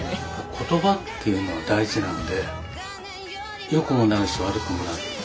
ことばっていうのは大事なんで良くもなるし悪くもなる。